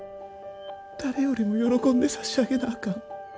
誰よりも喜んで差し上げなあかん。